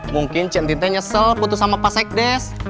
mungkin centin nya nyesel putus sama pak sekdes